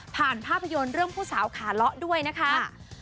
ภาพยนตร์เรื่องผู้สาวขาเลาะด้วยนะคะ